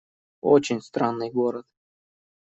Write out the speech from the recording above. Очень странный город.